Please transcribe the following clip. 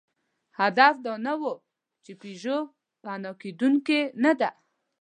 هدف دا نهدی، چې پيژو فنا کېدونکې نهده.